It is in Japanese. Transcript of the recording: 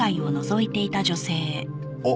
あっ。